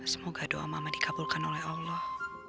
semoga doa mama dikabulkan oleh allah